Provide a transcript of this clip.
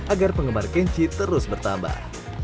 agar penggemar kenchi terus bertambah